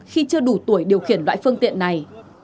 khi chưa đủ tuổi điều khiển loại phương tiện này